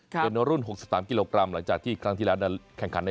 เป็นรุ่น๖๓กิโลกรัมมันหลังจากที่ครั้งที่แล้ว